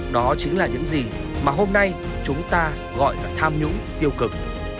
đó chính là những gì mà hôm nay chúng ta gọi là tham nhũng tiêu cực